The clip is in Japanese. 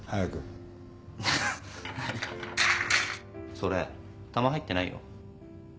それ弾入ってないよ。